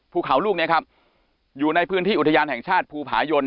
ภูเขาลูกนี้ครับอยู่ในพื้นที่อุทยานแห่งชาติภูผายน